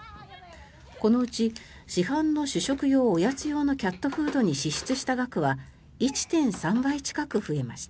このうち市販の主食用、おやつ用のキャットフードに支出した額は１．３倍近く増えました。